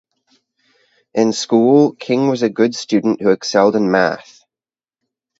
In school, King was a good student who excelled in math.